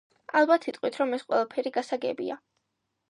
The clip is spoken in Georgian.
ალბათ იტყვით, რომ ეს ყველაფერი გასაგებია.